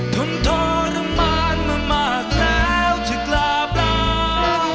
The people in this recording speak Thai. ทนทรมานมามากแล้วจะกราบลา